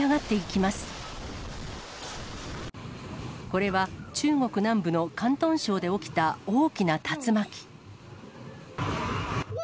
これは中国南部の広東省で起きた大きな竜巻。